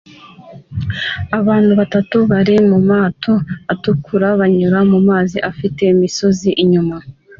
Abantu batatu bari mumato atukura banyura mumazi afite imisozi inyuma